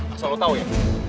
asal lu tau ya